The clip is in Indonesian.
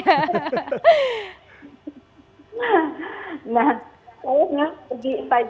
nah kalau sahur itu saya selalu dengar menggunakan lemak berlembang